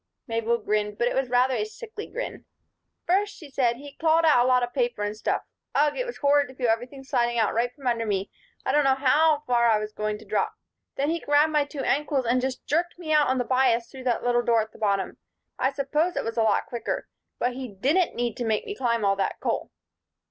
Mabel grinned, but it was rather a sickly grin. "First," she said, "he clawed out a lot of papers and stuff. Ugh! It was horrid to feel everything sliding right out from under me I didn't know how far I was going to drop. Then he grabbed my two ankles and just jerked me out on the bias through the little door at the bottom. I suppose it was a lot quicker. But he didn't need to make me climb all that coal."